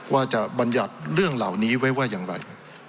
บรรยัติเรื่องเหล่านี้ไว้ว่าอย่างไร